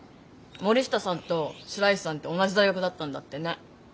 森下さんと白石さんって同じ大学だったんだってね。